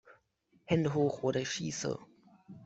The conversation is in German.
Hände Hoch oder ich Schieße!